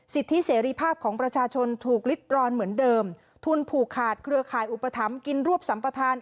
สิทธิเสรีภาพของประชาชนถูกลิดรอนเหมือนเดิมทุนผูกขาดเครือข่ายอุปถัมภ์กินรวบสัมปทาน